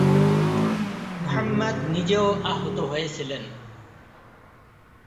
মুহাম্মাদ নিজেও আহত হয়েছিলেন।